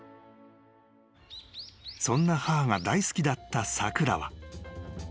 ［そんな母が大好きだったさくらは］